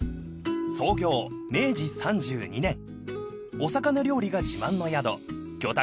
［お魚料理が自慢の宿魚拓